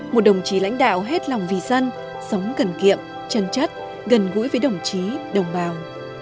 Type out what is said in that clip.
một đồng chí lãnh đạo hết lòng vì dân sống cần kiệm chân chất gần gũi với đồng chí đồng bào